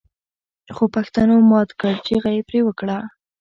خوپښتنو مات کړ چيغه يې پرې وکړه